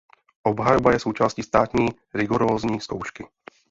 Obhajoba je součástí státní rigorózní zkoušky.